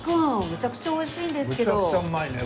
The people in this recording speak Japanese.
めちゃくちゃ美味しいんですけど。